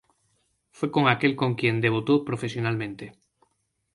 Fue con aquel con quien debutó profesionalmente.